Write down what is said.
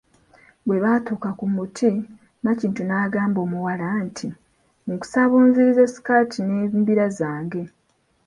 Bwebaatuka ku muti, Nakintu n'agamba omuwala nti, nkusaba onzirize sikaati n'embira zange.